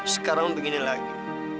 sekarang begini lagi